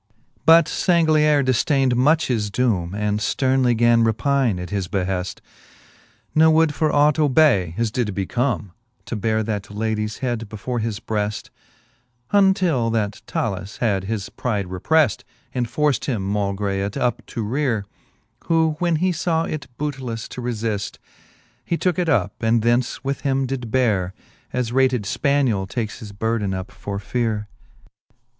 XXIX. But Canto I. the Faerie ^eene, 15 XXIX. But Sangliere difdained much his doome, And fternly gan repine at his beheaft ; Nc would for ought obay, as did become, To beare that ladies head before his breaft j Untill that Talus had his pride repreft, And forced him, maulgre, it up to reare. Who when he faw it booteleflfe to refift, He tooke it up, and thence with him did beare. As rated Spaniell takes his burden up for feare.